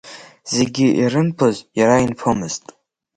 Зегьы ирынԥоз иара инԥомызт…